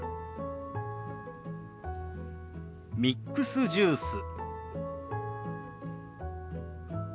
「ミックスジュース」。